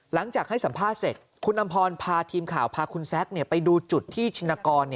หลังจากให้สัมภาษณ์เสร็จคุณอำพรพาทีมข่าวพาคุณแซคไปดูจุดที่ชินกร